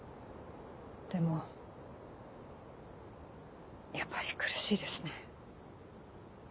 でもやっぱり苦しいですね。